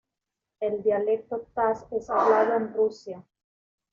El dialecto Taz es hablado en Rusia.